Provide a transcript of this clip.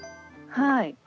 はい。